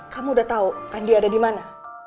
kamu udah tau andi ada dimana